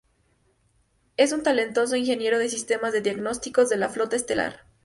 Es un talentoso ingeniero de sistemas de diagnóstico de la Flota Estelar.